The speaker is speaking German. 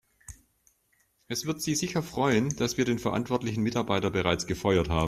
Es wird Sie sicher freuen, dass wir den verantwortlichen Mitarbeiter bereits gefeuert haben.